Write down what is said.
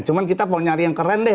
cuma kita mau nyari yang keren deh